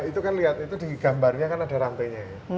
itu kan lihat itu di gambarnya kan ada rantainya ya